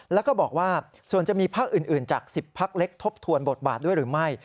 แล้วก็บอกว่าส่วนจะมีภาคอื่นจาก๑๐พักเล็กทบทวนบทบาทด้วยหรือไม่